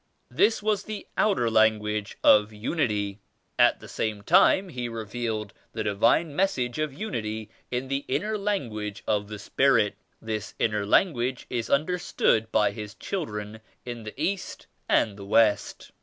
This was the outer lan guage of unity. At the same time He revealed the Divine Message of Unity in the inner language of the Spirit. This inner language is understood by His children in the East and the West.